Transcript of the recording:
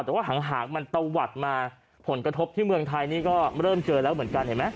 แต่ว่าห่างมันตะวัดมาผลกระทบที่เมืองไทยนี่ก็เริ่มเจอแล้วเหมือนกันเห็นไหม